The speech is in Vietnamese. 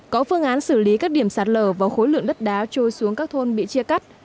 có phương án xử lý các điểm sạt lở và khối lượng đất đá trôi xuống các thôn bị chia cắt